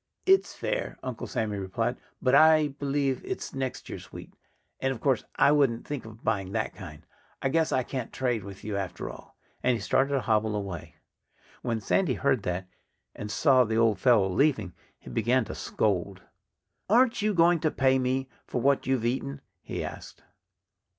"It's fair," Uncle Sammy replied. "But I believe it's next year's wheat. And of course I wouldn't think of buying that kind.... I guess I can't trade with you, after all." And he started to hobble away. When Sandy heard that, and saw the old fellow leaving, he began to scold. "Aren't you going to pay me for what you've eaten?" he asked.